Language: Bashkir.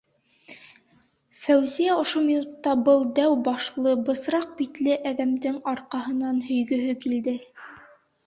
- Фәүзиә ошо минутта был дәү башлы, бысраҡ битле әҙәмдең арҡаһынан һөйгөһө килде.